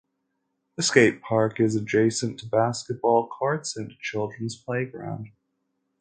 The skate park is adjacent to basketball courts and a children's playground.